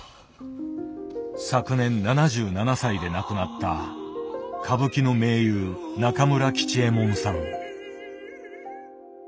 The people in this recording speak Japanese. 昨年７７歳で亡くなった歌舞伎の名優中村吉右衛門さん。